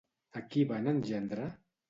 A qui van engendrar?